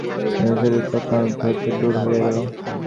কিন্তু সে সংকল্প তৎক্ষণাৎ মন হইতে দূর হইয়া গেল।